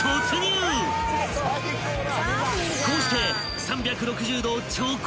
［こうして］